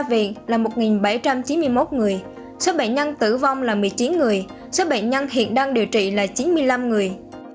bệnh viện là một bảy trăm chín mươi một người số bệnh nhân tử vong là một mươi chín người số bệnh nhân hiện đang điều trị là chín mươi năm người